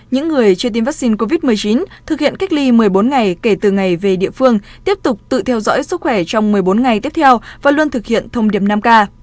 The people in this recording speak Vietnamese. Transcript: những người chưa tiêm vaccine covid một mươi chín thực hiện cách ly một mươi bốn ngày kể từ ngày về địa phương tiếp tục tự theo dõi sức khỏe trong một mươi bốn ngày tiếp theo và luôn thực hiện thông điệp năm k